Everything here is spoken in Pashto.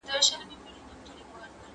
بد ملګری د اور د سکرو په شان دی.